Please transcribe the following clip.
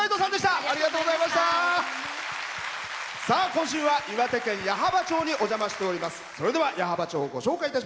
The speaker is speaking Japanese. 今週は岩手県矢巾町にお邪魔しております。